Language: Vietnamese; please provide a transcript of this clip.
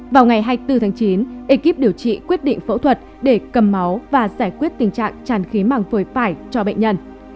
vào ngày hai mươi bốn tháng chín ekip điều trị quyết định phẫu thuật để cầm máu và giải quyết tình trạng tràn khí màng phổi phải cho bệnh nhân